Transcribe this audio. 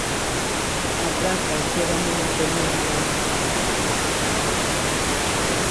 A praza queda nunha penumbra a maior parte das horas de luz.